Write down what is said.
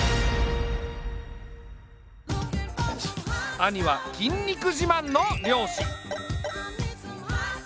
兄は筋肉自慢の漁師。